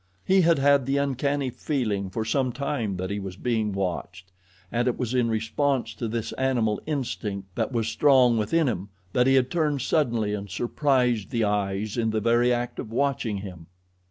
He had had the uncanny feeling for some time that he was being watched, and it was in response to this animal instinct that was strong within him that he had turned suddenly and surprised the eyes in the very act of watching him.